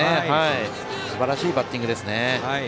すばらしいバッティングですね。